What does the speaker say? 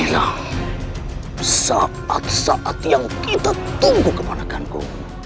wah saat saat yang kita tunggu kemanaganku